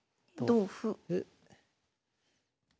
同歩。